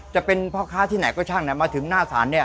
จะเป็นพ่อค้าที่ไหนก็ช่างมาถึงหน้าศาลเนี่ย